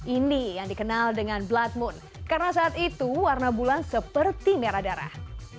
ini yang dikenal dengan blood moon karena saat itu warna bulan seperti merah darah